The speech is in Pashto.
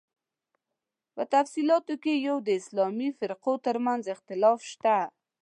په تفصیلاتو کې یې د اسلامي فرقو تر منځ اختلاف شته.